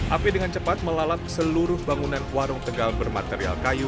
api dengan cepat melalap seluruh bangunan warung tegal bermaterial kayu